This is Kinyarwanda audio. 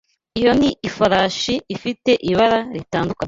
Iyo ni ifarashi ifite ibara ritandukanye.